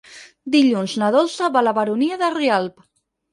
Dilluns na Dolça va a la Baronia de Rialb.